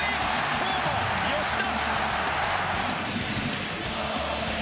今日も吉田！